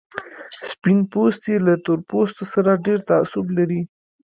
سپين پوستي له تور پوستو سره ډېر تعصب لري.